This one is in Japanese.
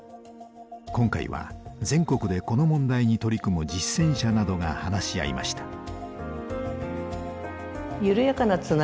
今回は全国でこの問題に取り組む実践者などが話し合いました。